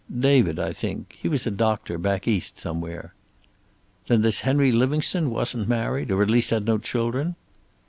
"David, I think. He was a doctor back East somewhere." "Then this Henry Livingstone wasn't married? Or at least had no children?"